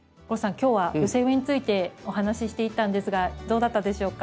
今日は寄せ植えについてお話ししていったんですがどうだったでしょうか？